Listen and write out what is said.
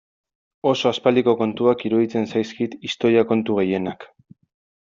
Oso aspaldiko kontuak iruditzen zaizkit historia kontu gehienak.